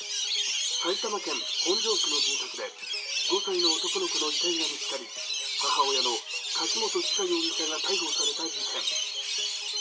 埼玉県本庄市の住宅で５歳の男の子の遺体が見つかり、母親の柿本知香容疑者が逮捕された事件。